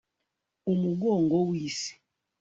umugongo w'isi